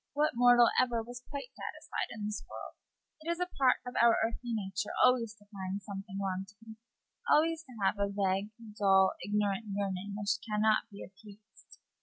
What mortal ever was quite satisfied in this world? It is a part of our earthly nature always to find something wanting, always to have a vague, dull, ignorant yearning which can not be appeased.